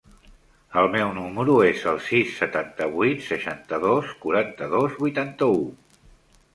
El meu número es el sis, setanta-vuit, seixanta-dos, quaranta-dos, vuitanta-u.